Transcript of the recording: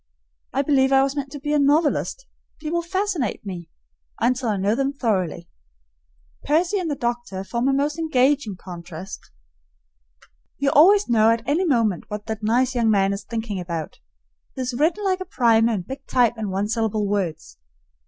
I believe I was meant to be a novelist; people fascinate me until I know them thoroughly. Percy and the doctor form a most engaging contrast. You always know at any moment what that nice young man is thinking about; he is written like a primer in big type and one syllable words.